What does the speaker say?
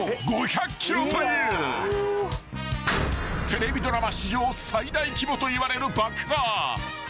［テレビドラマ史上最大規模といわれる爆破］